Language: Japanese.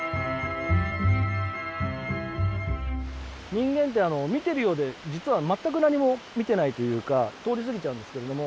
人間って見てるようで実は全く何も見てないというか通りすぎちゃうんですけれども。